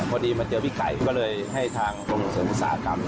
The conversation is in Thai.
พอดีมาเจอพี่ไก่ก็เลยให้ทางกรมเสริมอุตสาหกรรม